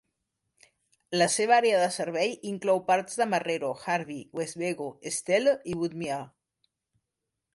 La seva àrea de servei inclou parts de Marrero, Harvey, Westwego, Estelle i Woodmere.